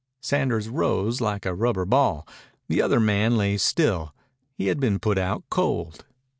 Sanders rose like a rubber ball. The other man lay still. He had been put out cold.